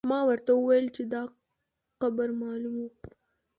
ما ورته وویل چې دا قبر معلوم و.